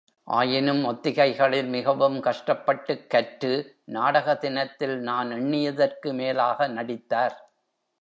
ஆயினும், ஒத்திகைகளில் மிகவும் கஷ்டப்பட்டுக் கற்று நாடக தினத்தில் நான் எண்ணியதற்கு மேலாக நடித்தார்.